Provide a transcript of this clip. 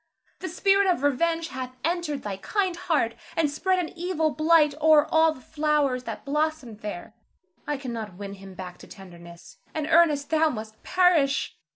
The spirit of revenge hath entered thy kind heart, and spread an evil blight o'er all the flowers that blossomed there. I cannot win him back to tenderness, and Ernest, thou must perish.